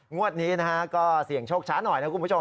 งวดนี้นะฮะก็เสี่ยงโชคช้าหน่อยนะคุณผู้ชม